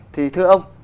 thì thưa ông